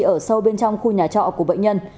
ở sâu bên trong khu nhà trọ của bệnh nhân